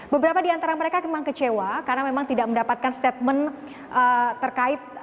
beberapa di antara mereka memang kecewa karena memang tidak mendapatkan statement terkait